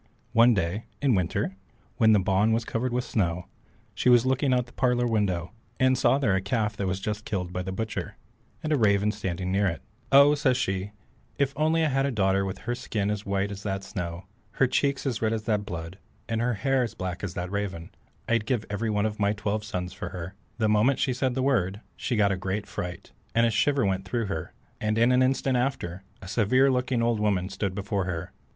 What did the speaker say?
One day in winter, when the bawn was covered with snow, she was looking out of the parlour window, and saw there a calf that was just killed by the butcher, and a raven standing near it. "Oh," says she, "if I had only a daughter with her skin as white as that snow, her cheeks as red as that blood, and her hair as black as that raven, I'd give away every one of my twelve sons for her." The moment she said the word, she got a great fright, and a shiver went through her, and in an instant after, a severe looking old woman stood before her.